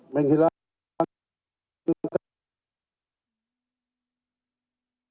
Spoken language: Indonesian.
menghilangkan kemampuan untuk mengembangkan